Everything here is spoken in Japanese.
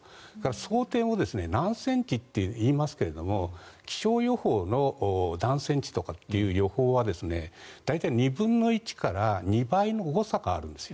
想定を何センチと言いますけど気象予報の何センチという予報は大体２分の１から２倍の誤差があるんですよ。